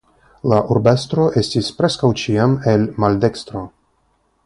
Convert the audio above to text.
La urbestro estis preskaŭ ĉiam el maldekstro.